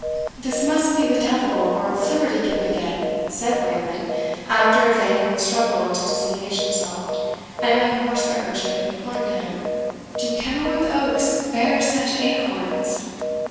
"This must be the devil, or Flibbertigibbet again!" said Wayland, after a vain struggle to disengage himself, and unhorse the urchin who clung to him; "do Kenilworth oaks bear such acorns?"